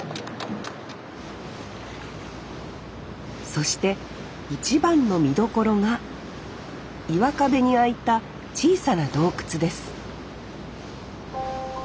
そして一番の見どころが岩壁に開いた小さな洞窟です